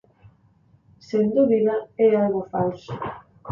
Sen dúbida, é algo falso...